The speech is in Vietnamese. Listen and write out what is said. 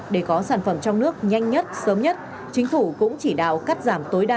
để có sản phẩm trong nước nhanh nhất sớm nhất chính phủ cũng chỉ đạo cắt giảm tối đa